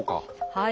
はい。